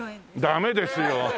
ダメですよ！